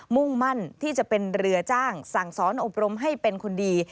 มุ่งมั่นที่จะเป็นเรือจ้างสั่งสอนอบรมให้เป็นคนดี